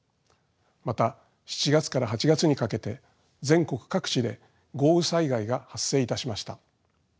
また７月から８月にかけて全国各地で豪雨災害が発生いたしました。